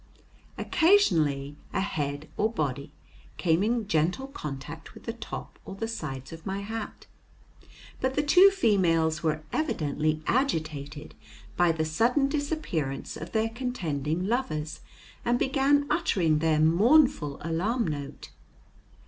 Occasionally a head or a body came in gentle contact with the top or the sides of my hat. But the two females were evidently agitated by the sudden disappearance of their contending lovers, and began uttering their mournful alarm note.